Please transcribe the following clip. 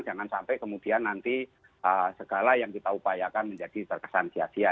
jangan sampai kemudian nanti segala yang kita upayakan menjadi terkesan sia sia